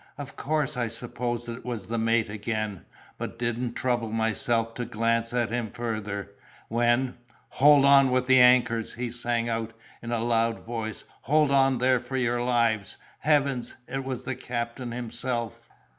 Of course I supposed it was the mate again, but didn't trouble myself to glance at him further, when 'Hold on with the anchors!' he sang out in a loud voice. 'Hold on there for your lives!' Heavens! it was the captain himself!